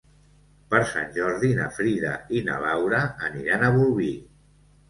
Per Sant Jordi na Frida i na Laura aniran a Bolvir.